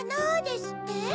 ですって？